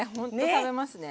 食べますね。